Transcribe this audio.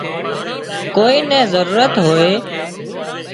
ڪوئي نين ضرورت هوئي